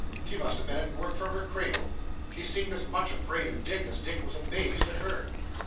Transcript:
She must have been at work from her cradle. She seemed as much afraid of Dick, as Dick was amazed at her.